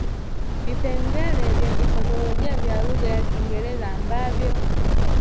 vipengele vya kifonolojia vya lugha ya Kiingereza ambavyo